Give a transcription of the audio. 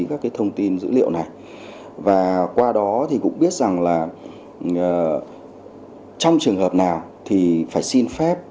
các cái thông tin dữ liệu này và qua đó thì cũng biết rằng là trong trường hợp nào thì phải xin phép